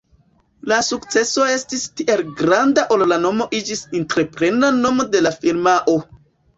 La sukceso estis tiel granda ol la nomo iĝis entreprena nomo de la firmao.